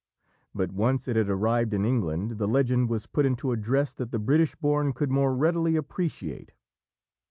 But once it had arrived in England, the legend was put into a dress that the British born could more readily appreciate.